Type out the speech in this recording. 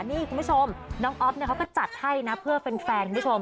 นี่คุณผู้ชมน้องอ๊อฟเขาก็จัดให้นะเพื่อแฟนคุณผู้ชม